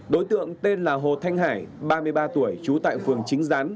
đối tượng tên là hồ thanh hải ba mươi ba tuổi trú tại phường chính gián